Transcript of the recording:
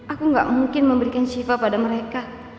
aku gak mungkin memberikan shiva pada mereka